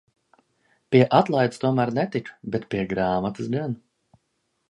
Pie atlaides tomēr netiku, bet pie grāmatas gan.